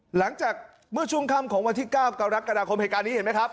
หลังจากเมื่อชุ่มคำของวันที่เก้าเกาะรักกระดาษคมเหตุการณ์นี้เห็นไหมครับ